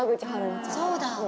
そうだ。